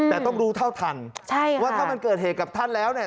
แต่ต้องรู้เท่าทันว่าถ้ามันเกิดเหตุกับท่านแล้วเนี่ย